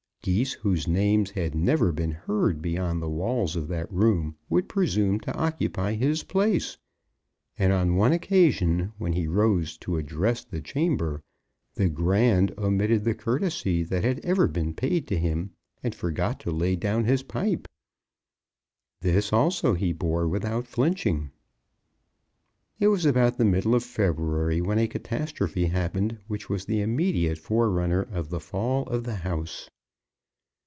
Geese whose names had never been heard beyond the walls of that room would presume to occupy his place. And on one occasion, when he rose to address the chamber, the Grand omitted the courtesy that had ever been paid to him, and forgot to lay down his pipe. This also he bore without flinching. It was about the middle of February when a catastrophe happened which was the immediate forerunner of the fall of the house.